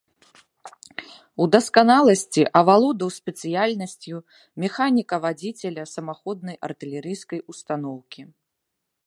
У дасканаласці авалодаў спецыяльнасцю механіка-вадзіцеля самаходнай артылерыйскай устаноўкі.